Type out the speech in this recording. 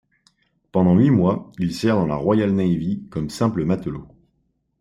Pendant huit mois, il sert dans la Royal Navy comme simple matelot.